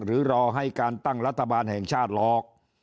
รอให้การตั้งรัฐบาลแห่งชาติล็อก